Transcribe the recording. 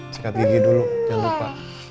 singkat gigi dulu jangan lupa